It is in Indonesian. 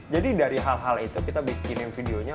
jadi dari hal hal itu kita bikin videonya